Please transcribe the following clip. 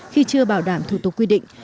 khi chưa bảo đảm thủ tục quy định